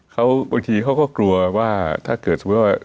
เขาบางทีเขาก็กลัวว่าถ้าเกิดสมมุติว่า